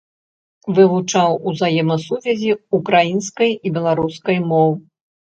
Вывучаў узаемасувязі ўкраінскай і беларускай моў.